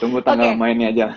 tunggu tanggal mainnya aja